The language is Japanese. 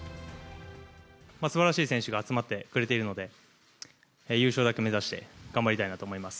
すばらしい選手が集まってくれているので、優勝だけ目指して、頑張りたいなと思います。